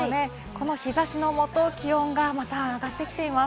この日差しの下、気温がまた上がってきています。